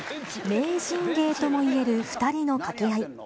名人芸ともいえる２人の掛け合い。